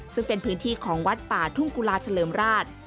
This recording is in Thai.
ซึ่งเป็นพื้นที่ของวัดป่าทุ่งกุลาเฉลิมราช